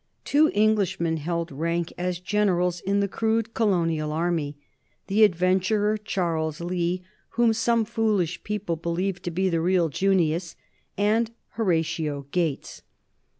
Two Englishmen held rank as generals in the crude colonial army the adventurer Charles Lee, whom some foolish people believed to be the real Junius, and Horatio Gates.